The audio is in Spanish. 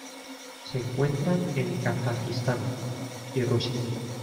Se encuentran en Kazajistán y Rusia.